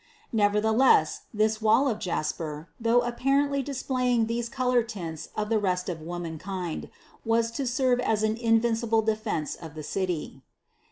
Nevertheless this wall of jasper, though apparently displaying these color tints of the rest of womankind, was to serve as an invincible defense of the city.